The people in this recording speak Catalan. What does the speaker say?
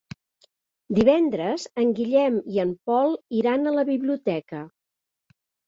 Divendres en Guillem i en Pol iran a la biblioteca.